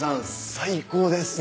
最高です。